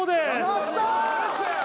やった！